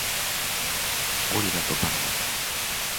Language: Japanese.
ゴリラとバナナ